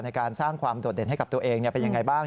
ในการสร้างความโดดเด่นให้กับตัวเองเป็นยังไงบ้าง